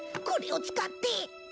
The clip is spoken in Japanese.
これを使って。